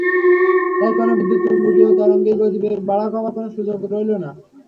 তাই কোনো বিদ্যুৎ–চুম্বকীয় তরঙ্গেরই গতিবেগ বাড়া-কমার কোনো সুযোগ রইল না।